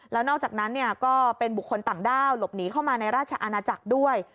แล้วนอกจากนั้นก็เป็นบุคคลต่างด้าวหลบหนีเข้ามาในราชอาณาจักรด้วย